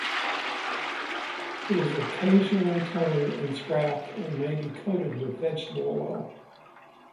It is occasionally turned and scrapped and may be coated with vegetable oil.